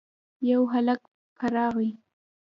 يو هلک په راغی.